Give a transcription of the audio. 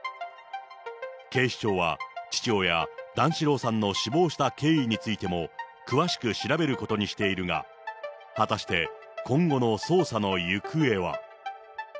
警視庁は父親、段四郎さんの死亡した経緯についても、詳しく調べることにしているが、果たして今後の捜査の行方は。